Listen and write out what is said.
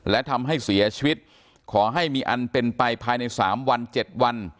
และทำให้เสียชีวิตขอให้มีอันเป็นไปภายใน๓วัน๗วัน